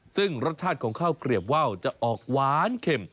ซึ่งรสชาติของข้าวเกลียบว่าวจะออกหวานเข็ม